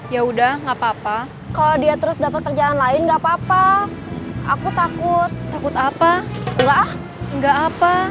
ya udah nggak papa kalau dia terus dapat kerjaan lain gapapa aku takut takut apa enggak enggak apa